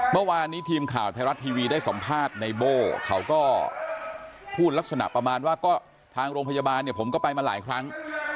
เมื่อวานนี้ทีมข่าวไทยรัฐทีวีได้สัมภาษณ์ในโบ้เขาก็พูดลักษณะประมาณว่าก็ทางโรงพยาบาลเนี่ยผมก็ไปมาหลายครั้ง